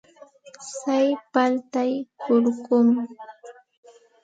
Tsay paltay kurkum.